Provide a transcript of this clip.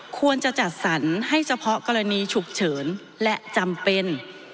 ควรจะจัดสรรให้เฉพาะกรณีฉุกเฉินและจำเป็น